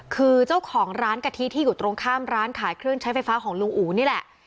คือเจ้าของร้านกะทิที่อยู่ตรงข้ามร้านขายเครื่องใช้ไฟฟ้าของลุงอู๋นี่แหละ